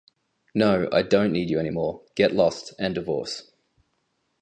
No, I don't need you anymore, get lost, and divorce.